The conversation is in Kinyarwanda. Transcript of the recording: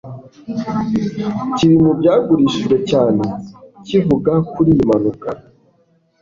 kiri mu byagurishijwe cyane kivuga kuri iyi mpanuka